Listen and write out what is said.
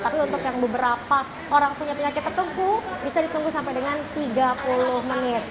tapi untuk yang beberapa orang punya penyakit tertentu bisa ditunggu sampai dengan tiga puluh menit